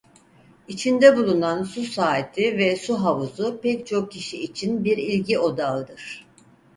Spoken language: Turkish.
İçinde bulunan su saati ve su havuzu pek çok kişi için bir ilgi odağıdır.